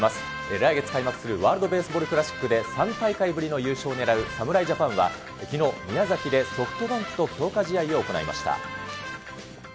来月開幕する、ワールドベースボールクラシックで、３大会ぶりの優勝を狙う侍ジャパンは、きのう、宮崎でソフトバンクと強化試合を行いました。